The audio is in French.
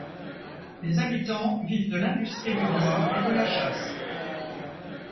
Les habitants vivent de l'industrie du bois et de la chasse.